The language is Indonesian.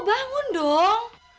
dok bangun dong